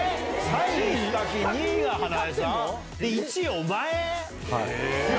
１位お前⁉